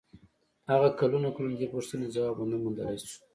هغه کلونه کلونه د دې پوښتنې ځواب و نه موندلای شو.